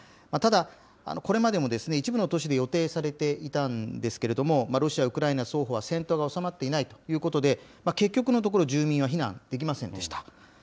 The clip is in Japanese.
ただ、これまでも一部の都市で予定されていたんですけれども、ロシア、ウクライナ双方は戦闘が収まっていないということで、結局のところ、住民は避難できませんでした。